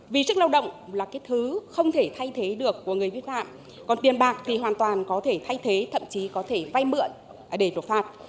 vì sức lao động là cái thứ không thể thay thế được của người vi phạm còn tiền bạc thì hoàn toàn có thể thay thế thậm chí có thể vay mượn để đột phạt